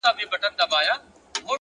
هره موخه د تمرین غوښتنه لري.!